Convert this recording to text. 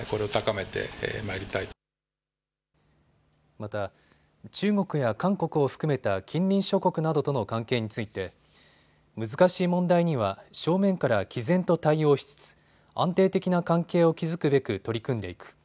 また、中国や韓国を含めた近隣諸国などとの関係について難しい問題には正面からきぜんと対応しつつ安定的な関係を築くべく取り組んでいく。